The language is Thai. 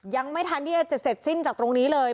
ยังไม่ทันที่จะเสร็จสิ้นจากตรงนี้เลย